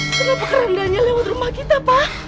kenapa kerandanya lewat rumah kita pa